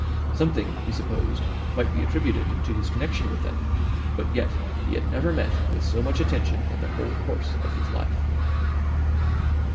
Something, he supposed, might be attributed to his connection with them, but yet he had never met with so much attention in the whole course of his life.